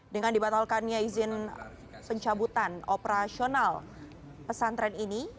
dengan dibatalkannya izin pencabutan operasional pesantren ini